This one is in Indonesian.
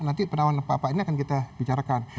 nanti penawaran pak pak ini akan kita bicarkan